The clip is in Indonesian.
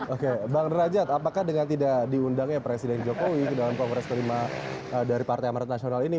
oke bang derajat apakah dengan tidak diundangnya presiden jokowi ke dalam kongres kelima dari partai amarat nasional ini